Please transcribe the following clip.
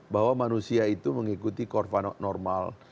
bahwa manusia itu mengikuti korban normal